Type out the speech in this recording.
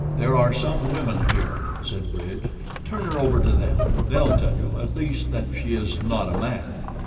"There are some women here," said Bridge. "Turn her over to them. They'll tell you, at least that she is not a man."